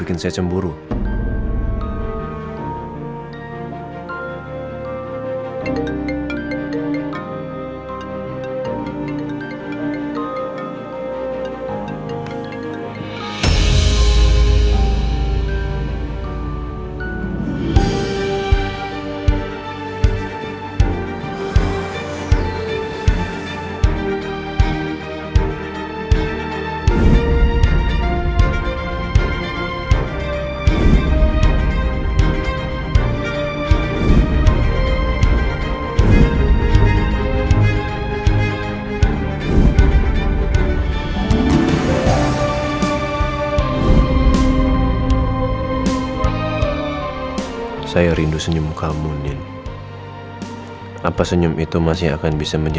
informed apa maksudnya